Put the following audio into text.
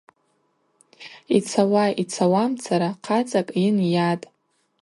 Йцауа-йцауамцара хъацӏакӏ йынйатӏ.